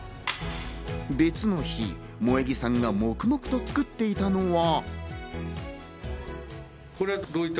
別の日、萌木さんが黙々と作っていたのは。